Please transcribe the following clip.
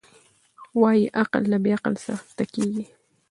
وايي عقل له بې عقله څخه زده کېږي.